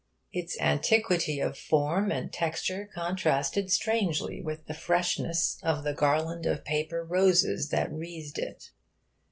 Its antiquity of form and texture contrasted strangely with the freshness of the garland of paper roses that wreathed it.